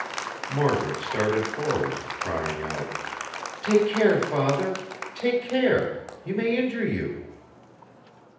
Margaret started forward, crying out: "Take care, Father! Take care! He may injure you!"